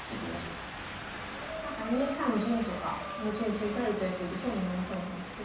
なんか２三銀とか後々打たれちゃいそうで損になりそうなんですけど。